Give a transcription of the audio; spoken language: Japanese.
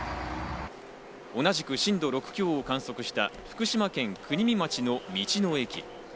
同じく震度６強を観測した福島県国見町の道の駅。